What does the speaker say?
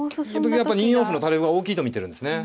やっぱり２四歩の垂れ歩が大きいと見てるんですね。